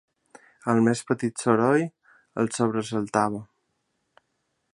El més petit soroll el sobresaltava.